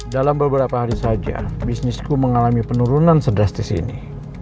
dalam beberapa hari saja bisnisku mengalami penurunan sedrastis ini